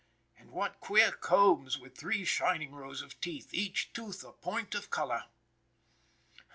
And what queer combs with three shining rows of teeth, each tooth a point of color.